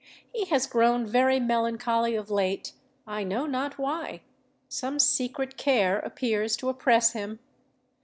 He has grown very melancholy of late—I know not why: some secret care appears to oppress him!